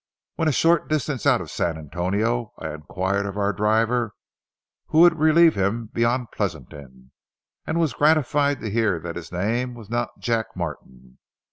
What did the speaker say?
When a short distance out of San Antonio I inquired of our driver who would relieve him beyond Pleasanton, and was gratified to hear that his name was not Jack Martin.